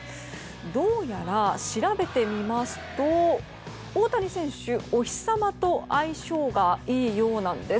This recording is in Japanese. どうやら調べてみますと大谷選手、お日様と相性がいいようなんです。